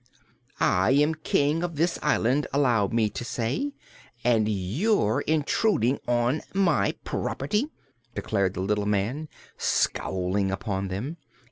"I am King of this Island, allow me to say, and you're intruding on my property," declared the little man, scowling upon them.